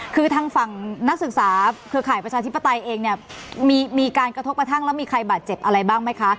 คือทางฝั่งนักศึกษาเครือข่ายประชาธิปไตยเองเนี่ยมีการกระทบกระทั่งแล้วมีใครบาดเจ็บอะไรบ้างไหมคะ